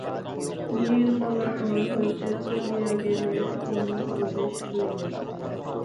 নির্মলা ঘর হইতে চলিয়া গেলে তিনি প্রবেশ করিলেন।